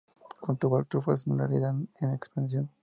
Cultivar Trufas, una realidad en expansión.